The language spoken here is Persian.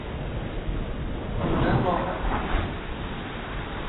او کاملا با من هم عقیده بود.